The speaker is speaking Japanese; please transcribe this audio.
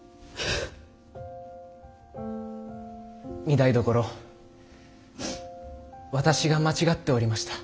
御台所私が間違っておりました。